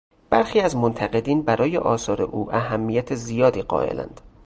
برخی از منقدین برای آثار او اهمیت زیادی قایلند.